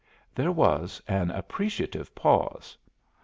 There was an appreciative pause.